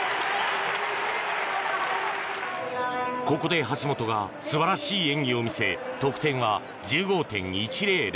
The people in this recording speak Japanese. ここで橋本が素晴らしい演技を見せ得点は１６．１００。